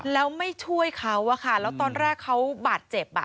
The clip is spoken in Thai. แล้วไม่ช่วยเขาอะค่ะแล้วตอนแรกเขาบาดเจ็บ